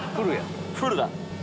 フルだ！